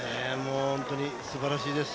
本当にすばらしいです。